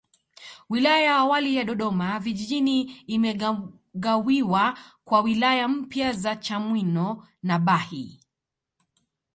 Wilaya ya awali ya Dodoma Vijijini imegawiwa kwa wilaya mpya za Chamwino na Bahi